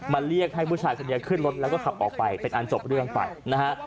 เรียกให้ผู้ชายคนนี้ขึ้นรถแล้วก็ขับออกไปเป็นอันจบเรื่องไปนะฮะ